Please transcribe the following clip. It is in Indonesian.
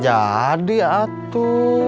ya jadi atu